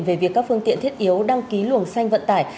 về việc các phương tiện thiết yếu đăng ký luồng xanh vận tải